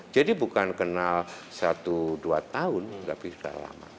jadi bukan kenal satu dua tahun tapi sudah lama